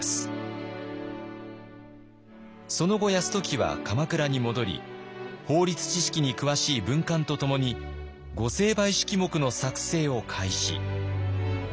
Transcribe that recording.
その後泰時は鎌倉に戻り法律知識に詳しい文官と共に御成敗式目の作成を開始。